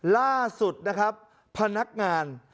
ล่าสุดนะครับพนักงาน